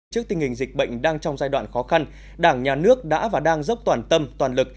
trước tình hình dịch bệnh đang trong giai đoạn khó khăn đảng nhà nước đã và đang dốc toàn tâm toàn lực